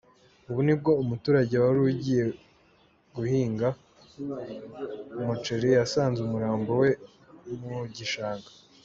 Ubu ni bwo umuturage wari ugiye guhinga umuceri yasanze umurambo we mu gishanga”.